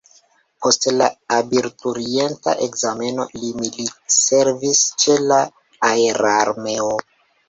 Post la abiturienta ekzameno li militservis ĉe la aerarmeo.